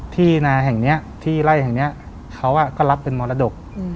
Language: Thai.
ที่นาแห่งนี้ที่ไล่แห่งนี้เขาก็รับเป็นมรดก